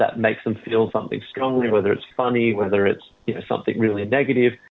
apakah itu lucu apakah itu sesuatu yang benar benar negatif